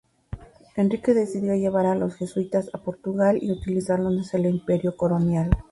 Enrique decidió llevar a los jesuitas a Portugal y utilizarlos en el imperio colonial.